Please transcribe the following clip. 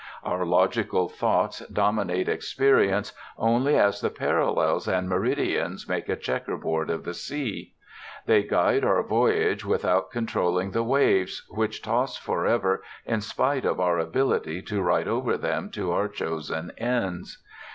Our logical thoughts dominate experience only as the parallels and meridians make a checkerboard of the sea. They guide our voyage without controlling the waves, which toss forever in spite of our ability to ride over them to our chosen ends.